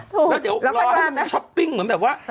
แล้วเดี๋ยวรอให้มันช้อปปิ้งเหมือนแบบว่า